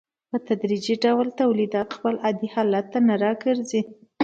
په تدریجي ډول تولیدات خپل عادي حالت ته راګرځي